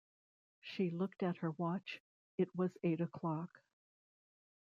She looked at her watch; it was eight o'clock.